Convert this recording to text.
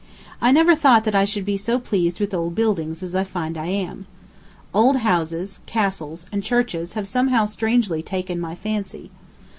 I never thought that I should be so pleased with old buildings as I find I am. Old houses, castles, and churches have somehow strangely taken my fancy.